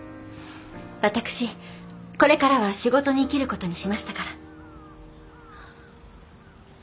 私これからは仕事に生きる事にしましたから。